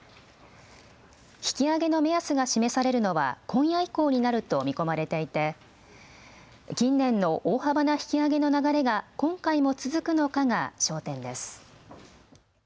引き上げの目安が示されるのは今夜以降になると見込まれていて近年の大幅な引き上げの流れが今回も続くのかが焦点です。